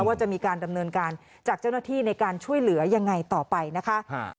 ว่าจะมีการดำเนินการจากเจ้าหน้าที่ในการช่วยเหลือยังไงต่อไปนะคะ